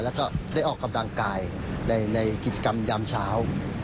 แล้วก็ได้ออกกำลังกายในกิจกรรมยามเช้า